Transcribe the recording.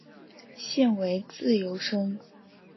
现为自由身。